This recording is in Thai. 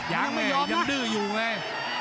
ยังดื้ออยู่ไง